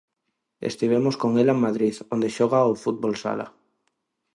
Estivemos con ela en Madrid, onde xoga ao fútbol sala.